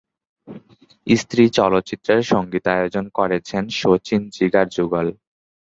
স্ত্রী চলচ্চিত্রের সঙ্গীতায়োজন করেছেন শচিন-জিগার যুগল।